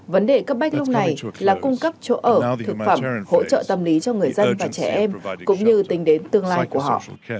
vấn đề cấp bách lúc này là cung cấp chỗ ở thực phẩm hỗ trợ tâm lý cho người dân và trẻ em cũng như tính đến tương lai của họ